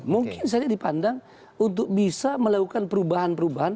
mungkin saja dipandang untuk bisa melakukan perubahan perubahan